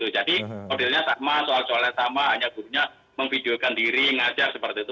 modelnya sama soal soalnya sama hanya gurunya memvideokan diri mengajar seperti itu